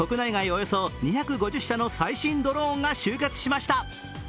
およそ２５０社の最新ドローンが集結しました。